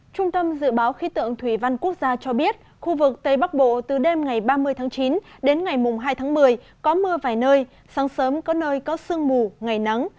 trung tâm dự báo khí tượng thủy văn quốc gia cho biết khu vực tây bắc bộ từ đêm ngày ba mươi tháng chín đến ngày mùng hai tháng một mươi có mưa vài nơi sáng sớm có nơi có sương mù ngày nắng